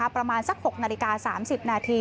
ประมาณสัก๖นาฬิกา๓๐นาที